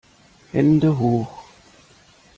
Hände hoch!